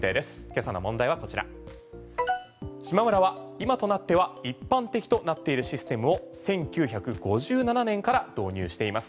今朝の問題はこちらしまむらは今となっては一般的となっているシステムを１９５７年から導入しています。